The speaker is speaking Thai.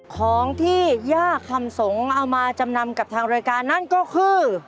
ของที่ย่าคำสงฆ์เอามาจำนำกับทางรายการนั่นก็คือ